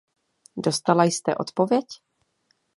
Dostala jste odpověď?